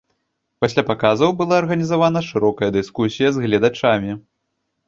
Пасля паказаў была арганізавана шырокая дыскусія з гледачамі.